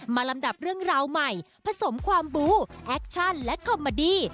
ลำดับเรื่องราวใหม่ผสมความบูแอคชั่นและคอมเมอดี้